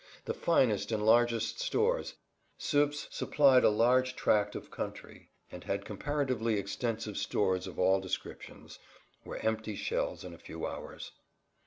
The finest and largest stores—Suippes supplied a large tract of country and had comparatively extensive stores of all descriptions—were empty shells in a few hours.